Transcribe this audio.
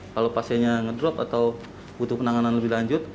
kalau pasiennya ngedrop atau butuh penanganan lebih lanjut